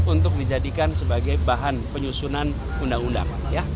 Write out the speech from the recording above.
untuk dijadikan sebagai bahan penyusunan undang undang